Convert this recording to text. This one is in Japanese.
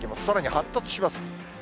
さらに発達します。